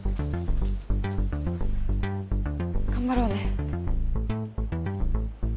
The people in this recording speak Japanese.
頑張ろうね。